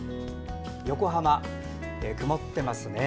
横浜、曇ってますね。